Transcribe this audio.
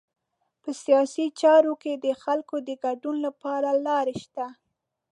په سیاسي چارو کې د خلکو د ګډون لپاره لارې شته.